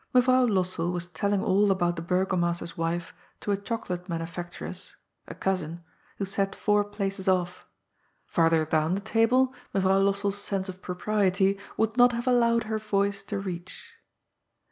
Mevroaw LoBsell was telling all about the Borgomaster's wife to a chocolate mannfactoress — a consin — who sat f oar places off. Farther down the table Meyronw Lossell's sense of propriety would not haye allowed her yoice to reach.